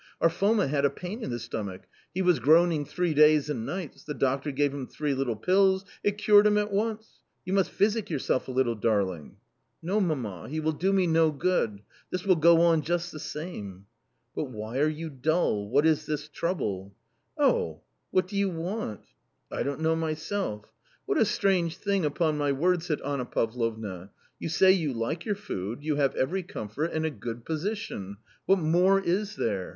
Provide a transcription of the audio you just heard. Our Foma had a pain in the stomach ; he was groaning three days and nights ; the doctor gave him three little pills, it cured him at once ! You must physic yourself a little, darling !"" No, mamma, he will do me no good ; this will go on just the same." " But why are you dull ? What is this trouble ?"" Oh ...."" What do you want ?"" I don't know myself." " What a strange thing, upon my word !" said Anna Pavlovna. " You say you like your food, you have every comfort and a good position .... what more is there ?